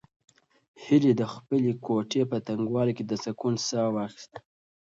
هیلې د خپلې کوټې په تنګوالي کې د سکون ساه واخیسته.